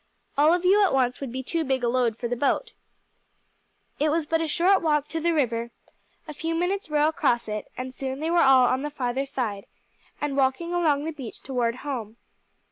"All of you at once would be too big a load for the boat." It was but a short walk to the river, a few minutes' row across it, and soon they were all on the farther side and walking along the beach toward home.